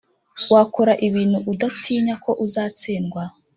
wakora ibintu udatinya ko uzatsindwa,